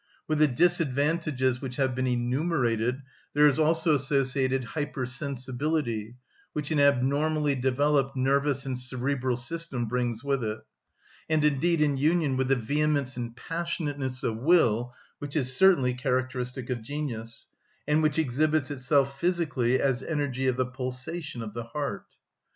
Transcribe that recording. With the disadvantages which have been enumerated there is also associated hyper‐sensibility, which an abnormally developed nervous and cerebral system brings with it, and indeed in union with the vehemence and passionateness of will which is certainly characteristic of genius, and which exhibits itself physically as energy of the pulsation of the heart.